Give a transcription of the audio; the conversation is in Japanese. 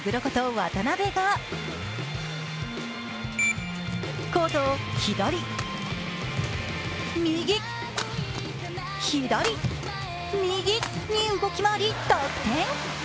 渡辺がコートを左、右、左、右に動き回り、得点。